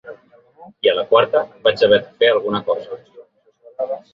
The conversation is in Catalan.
I a la quarta vaig haver de fer alguna cosa.